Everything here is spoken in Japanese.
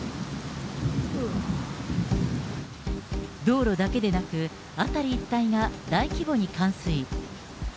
道路だけでなく、辺り一帯が大規模に冠水。